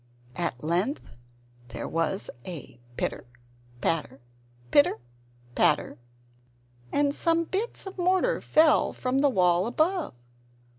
At length there was a pitter patter, pitter patter, and some bits of mortar fell from the wall above.